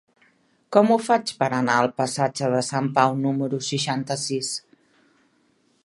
Com ho faig per anar al passatge de Sant Pau número seixanta-sis?